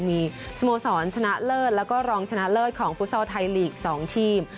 มีสโมสรชนะเลิศแล้วก็รองชนะเลิศของฟุตซอลไทยลีก๒ทีม